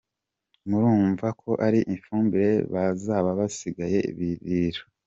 Murumva ko ari ifumbire bazaba basigaye birira.